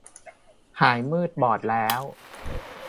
หายมืดบอดแล้ว